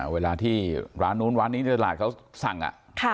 เวลาที่ร้านนู้นร้านนี้ในตลาดเขาสั่ง